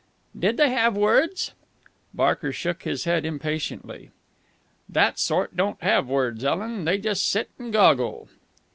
"Did they have words?" Barker shook his head impatiently. "That sort don't have words, Ellen. They just sit and goggle."